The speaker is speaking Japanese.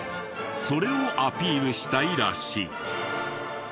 それをアピールしたいらしい。